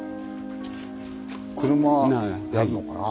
車やるのかな？